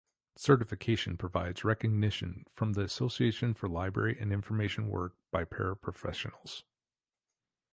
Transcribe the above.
Certification provides recognition from the association for library and information work by para-professionals.